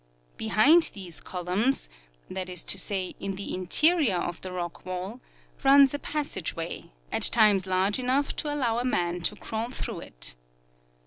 Behind these columns — that is to say, in the interior of the rock wall — runs a passageway, at times large enough to allow a man to craAvl along it.